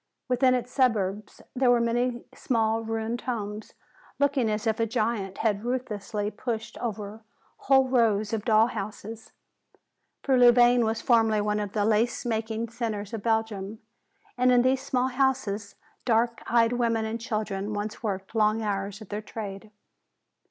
Within its suburbs there were many small ruined homes, looking as if a giant had ruthlessly pushed over whole rows of dolls' houses. For Louvain was formerly one of the lace making centers of Belgium, and in these small houses dark eyed women and girls once worked long hours at their trade.